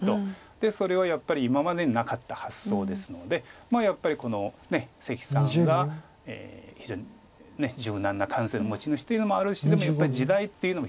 でそれはやっぱり今までになかった発想ですのでやっぱり関さんが非常に柔軟な感性の持ち主っていうのもあるしでもやっぱり時代っていうのも一つあります。